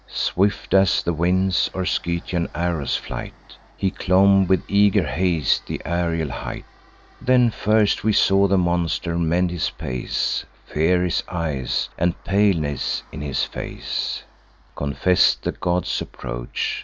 Swift as the winds, or Scythian arrows' flight, He clomb, with eager haste, th' aerial height. Then first we saw the monster mend his pace; Fear in his eyes, and paleness in his face, Confess'd the god's approach.